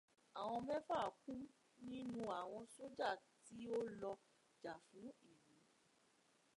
Àwọn mẹ́fà kú nínú àwọn sójà tí ó lọ jà fún ìlú.